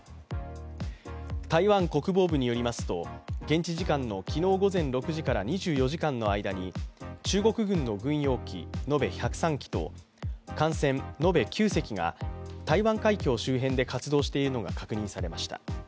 台湾国防部によりますと、現地時間の昨日午前６時から２４時間の間に中国軍の軍用機延べ１０３機と艦船延べ９隻が台湾海峡周辺で活動しているのが確認されました。